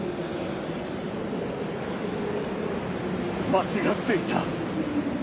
間違っていた。